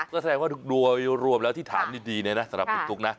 ก็แสดงว่าโดยรวมแล้วที่ถามดีเนี่ยนะสำหรับคุณตุ๊กนะ